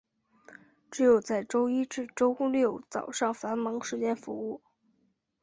只在周一至六早上繁忙时间服务。